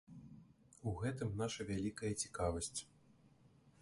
У гэтым наша вялікая цікавасць.